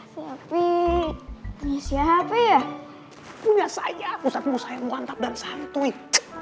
siapa ya punya saya aku saya muantap dan santuin